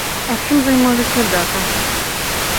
А чым займаліся да таго?